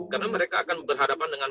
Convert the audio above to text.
karena mereka akan berhadapan dengan